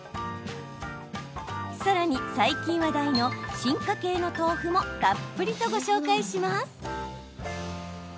さらに、最近話題の進化系の豆腐もたっぷりとご紹介します。